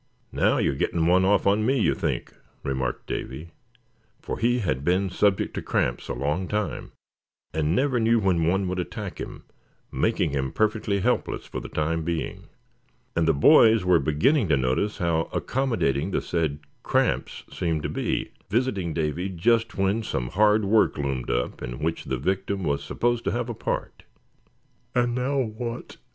"Now you're getting one off on me, you think," remarked Davy; for he had been subject to cramps a long time, and never knew when one would attack him, making him perfectly helpless for the time being; and the boys were beginning to notice how accommodating the said "cramps" seemed to be, visiting Davy just when some hard work loomed up in which the victim was supposed to have a part. "And now what?"